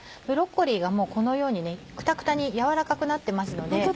ブロッコリーがもうこのようにねくたくたに軟らかくなってますので。